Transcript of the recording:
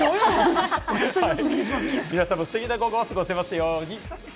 皆さんもステキな午後を過ごせますように。